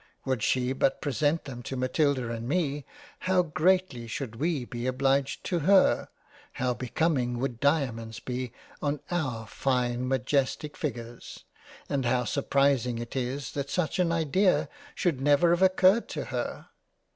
Would she but present them to Matilda and me, how greatly should we be obliged to her, How becoming would Diamonds be on our fine majestic figures ! And how surprising it is that such an Idea should never have occurred to her.